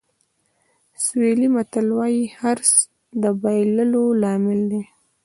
سوهیلي متل وایي حرص د بایللو لامل دی.